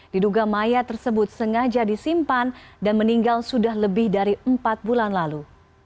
diduga mayat tersebut sengaja disimpan dan meninggal sudah lebih dari empat bulan lalu